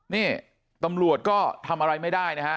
นี่ตำรวจก็ทำอะไรไม่ได้นะฮะ